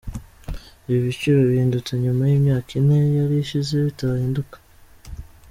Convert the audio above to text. Ibi biciro bihindutse nyuma y'imyaka ine yari ishize bidahinduka.